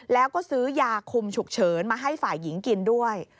แล้วก็ซื้อยาคุมฉุกเฉินมาให้ฝ่ายหญิงกินด้วย